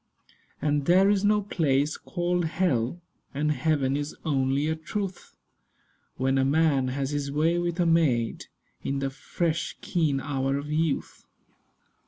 And there is no place called hell; And heaven is only a truth When a man has his way with a maid, In the fresh keen hour of youth.